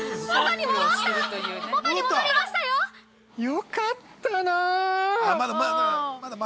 ◆よかったな！